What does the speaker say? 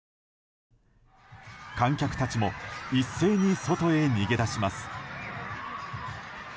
観客たちも一斉に外へ逃げ出します。